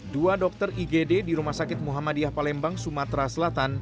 dua dokter igd di rumah sakit muhammadiyah palembang sumatera selatan